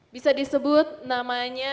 bisa disebut namanya